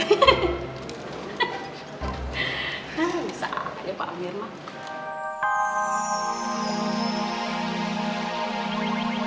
bisa aja pak amir mah